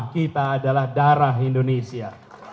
kita adalah darah indonesia